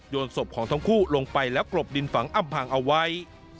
ศพของทั้งคู่ลงไปแล้วกลบดินฝังอำพางเอาไว้